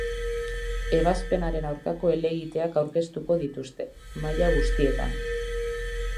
Ebazpenaren aurkako helegiteak aurkeztuko dituzte, maila guztietan.